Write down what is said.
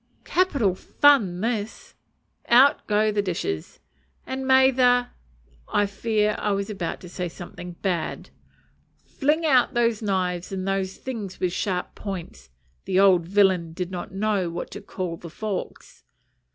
Capital fun this. Out go the dishes; "and may the ." I fear I was about to say something bad. "Fling out those knives, and those things with sharp points" (the old villain did not know what to call the forks!)